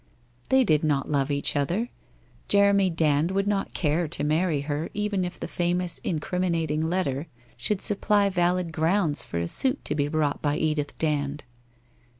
They did not love each other. Jeremy Dand would not care to marry her even if the famous incriminating letter should supply valid grounds for a suit to be brought by Edith Dand.